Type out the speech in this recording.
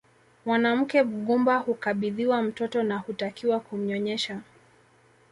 Mwanamke mgumba hukabidhiwa mtoto na hutakiwa kumnyonyesha